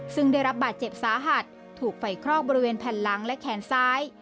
ซึ่งได้รับบาดเจ็บสาหัสถูกไฟคลอกบริเวณแผ่นหลังและแขนซ้าย